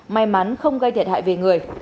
may mắn không gây thiệt hại về người